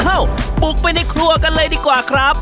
เอ้าปลุกไปในครัวกันเลยดีกว่าครับ